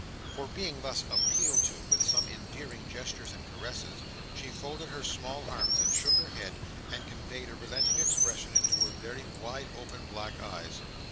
For, being thus appealed to with some endearing gestures and caresses, she folded her small arms and shook her head, and conveyed a relenting expression into her very wide open black eyes.